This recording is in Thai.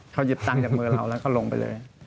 เขาหยิบตังค์จากมือเราแล้วก็ลงไปเลย